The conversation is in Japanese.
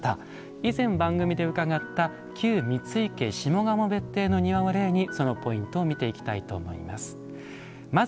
以前、番組で伺った旧三井家下鴨別邸の庭を例にそのポイントを見ていきたいと思います。